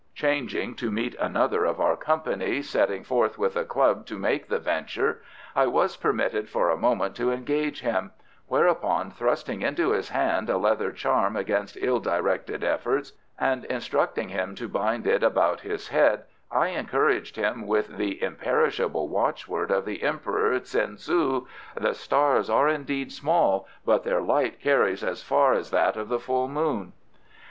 Changing to meet another of our company setting forth with a club to make the venture, I was permitted for a moment to engage him; whereupon thrusting into his hand a leather charm against ill directed efforts, and instructing him to bind it about his head, I encouraged him with the imperishable watch word of the Emperor Tsin Su, "The stars are indeed small, but their light carries as far as that of the full moon."